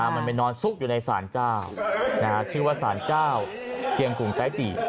มันไปนอนซุกอยู่ในศาลเจ้าชื่อว่าสารเจ้าเพียงกุงไต้ปี